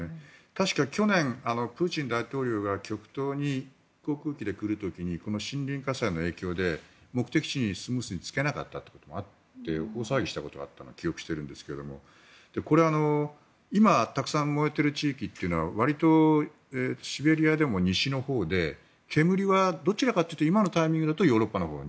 確か去年、プーチン大統領が極東に航空機で来る時にこの森林火災の影響で目的地に着けなかったということがあって大騒ぎしたことがあったのを記憶していますが今、たくさん燃えている地域というのはわりとシベリアでも西のほうで煙はどちらかというと今のタイミングだとヨーロッパのほう。